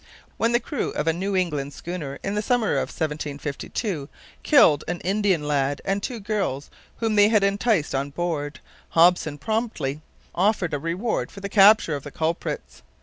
When the crew of a New England schooner in the summer of 1752 killed an Indian lad and two girls whom they had enticed on board, Hopson promptly offered a reward for the capture of the culprits.